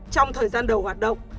trong thời gian đầu hoạt động